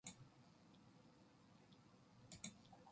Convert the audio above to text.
이런 놈 죽었으면 좋았겠어